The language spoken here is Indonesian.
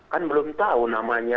kan belum tahu namanya